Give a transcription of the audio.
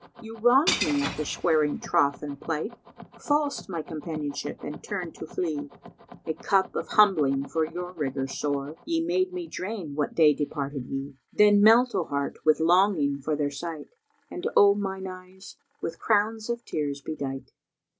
You wronged me after swearing troth and plight, * Falsed my companionship and turned to flee: And cup of humbling for your rigours sore * Ye made me drain what day departed ye: Then melt, O heart, with longing for their sight * And, O mine eyes, with crowns of tears be dight."